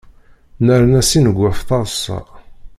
Nerna s ineggwaf taḍsa.